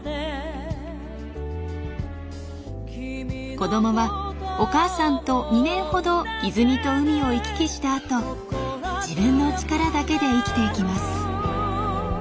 子どもはお母さんと２年ほど泉と海を行き来した後自分の力だけで生きていきます。